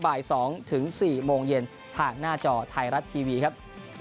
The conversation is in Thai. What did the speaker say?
บ่าย๒๔โมงเย็นผ่านหน้าจอไทยรัตน์ทีวีครับ